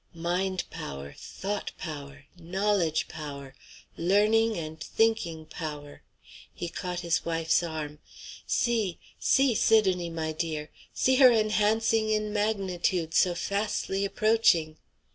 "Mind power! thought power! knowledge power! learning and thinking power!" He caught his wife's arm. "See! see, Sidonie, my dear! See her enhancing in magnitude so fastly approaching!"